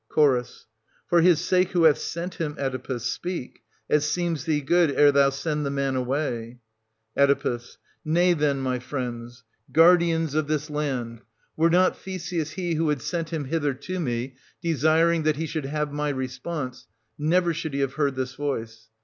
Ch. For his sake who hath sent him, Oedipus, speak, as seems thee good, ere thou send the man away. Oe. Nay, then, my friends, guardians of this land, ,349—1381] OEDIPUS AT COLON US. 109 were not Theseus he who had sent him hither to me, desiring that he should have my response, never should 1350 he have heard this voice.